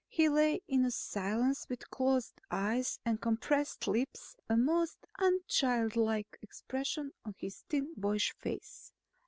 He lay in silence with closed eyes and compressed lips, a most unchildlike expression on his thin boyish face.